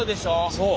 そう。